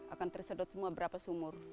akan tersedot semua berapa sumur